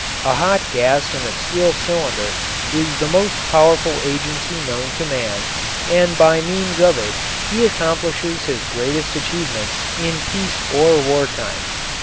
A hot gas in a steel cylinder is the most powerful agency known to man, and by means of it he accomplishes his greatest achievements in peace or war time.